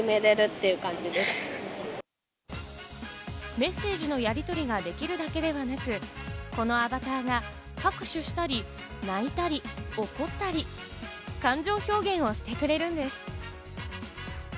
メッセージのやりとりができるだけではなく、このアバターが拍手したり、泣いたり、怒ったり、感情表現をしてくれるんです。